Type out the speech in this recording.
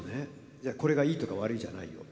いやこれがいいとか悪いじゃないよ。